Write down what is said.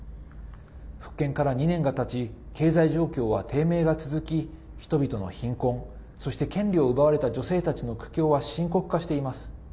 復権から２年がたち経済状況は低迷が続き人々の貧困、そして権利を奪われた女性たちの苦境は深刻化しています。